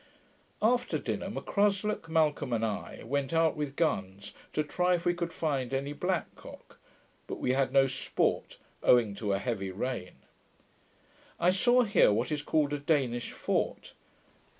After dinner, M'Cruslick, Malcolm, and I, went out with guns, to try if we could find any black cock; but we had no sport, owing to a heavy rain. I saw here what is called a Danish fort.